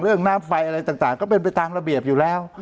น้ำไฟอะไรต่างก็เป็นไปตามระเบียบอยู่แล้ว